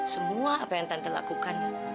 semua apa yang tante lakukan